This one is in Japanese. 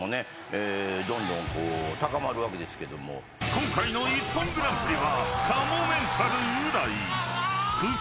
［今回の『ＩＰＰＯＮグランプリ』は］